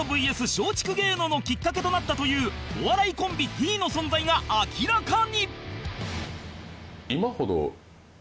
松竹芸能のきっかけとなったというお笑いコンビ Ｔ の存在が明らかに